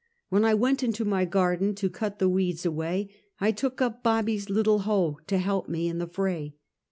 When I went into my garden to cut the weeds away, I took up Bobbie's little hoe to help me in the fr&j.